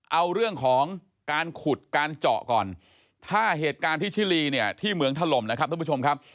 เอาเรื่องของการขุดการเจาะก่อนถ้าเหตุการณ์ที่ชิลีเนี่ยที่เหมืองถล่มนะครับทุกผู้ชมครับ